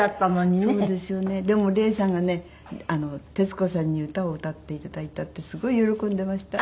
でも礼さんがね徹子さんに歌を歌って頂いたってすごい喜んでいました。